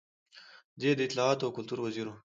دی د اطلاعاتو او کلتور وزیر و.